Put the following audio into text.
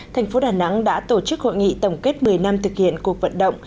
thành phố đà nẵng đã tổ chức hội nghị tổng kết một mươi năm thực hiện cuộc vận động